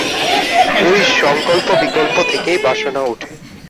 ঐ সঙ্কল্পবিকল্প থেকেই বাসনা ওঠে।